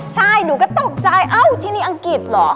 ใช่หนูก็ตกใจเอ้าที่นี่อังกฤษเหรอ